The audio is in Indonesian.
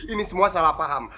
ini semua salah paham